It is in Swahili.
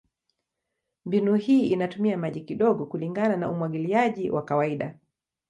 Mbinu hii inatumia maji kidogo kulingana na umwagiliaji wa kawaida.